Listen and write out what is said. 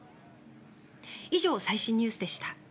以上、最新ニュースでした。